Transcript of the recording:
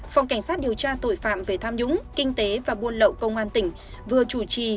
phòng cảnh sát điều tra tội phạm về tham nhũng kinh tế và buôn lậu công an tỉnh vừa chủ trì